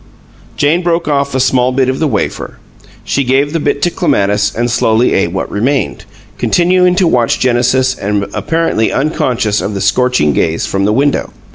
Jane broke off a small bit of the wafer. She gave the bit to Clematis and slowly ate what remained, continuing to watch Genesis and apparently unconscious of the scorching gaze from the window.